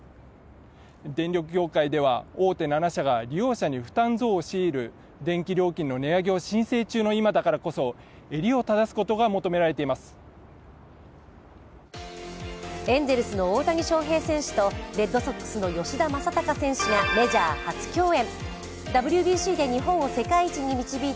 電力業界では大手７社が利用者に負担増を強いる電気料金の値上げを申請中の今だからこそエンゼルスの大谷翔平選手とレッドソックスの吉田正尚選手がメジャー初競演。